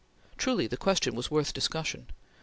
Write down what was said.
Truly the question was worth discussion.